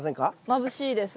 まぶしいです。